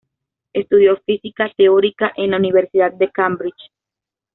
Estudió Física Teórica en la Universidad de Cambridge.